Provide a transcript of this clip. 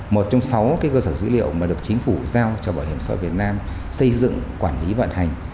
một trong sáu cái cơ sở dữ liệu mà được chính phủ giao cho bảo hiểm xã hội việt nam xây dựng quản lý vận hành